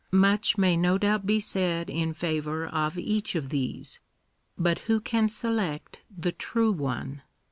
Much may no doubt be said in favour of each of these; but who can select the true one